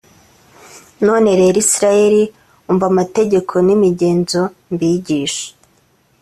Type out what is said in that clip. none rero, israheli, umva amategeko n’imigenzo mbigisha